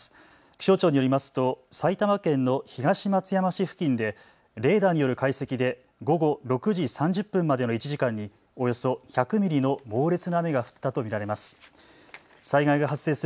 気象庁によりますと埼玉県の東松山市付近でレーダーによる解析で午後６時３０分までの１時間におよそ１００ミリの猛烈な雨が降ったと見られます。